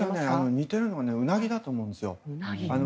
似ているのはウナギだと思うんですよ。